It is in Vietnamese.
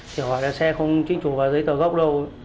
chỉ hỏi là xe không chính chủ vào giấy tờ gốc đâu